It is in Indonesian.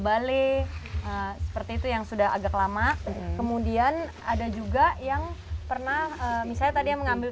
balik seperti itu yang sudah agak lama kemudian ada juga yang pernah misalnya tadi yang mengambil